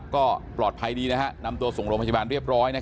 ก็ปลอดภัยดีนำตัวส่งโรงพยาบาลเรียบร้อย